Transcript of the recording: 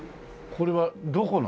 これはどこの？